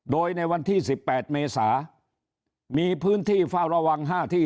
โดยในวันที่สิบแปดเมษามีพื้นที่ฟ้าระวังห้าที่